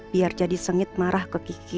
biar jadi sengit marah ke kiki